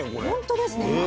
本当ですね。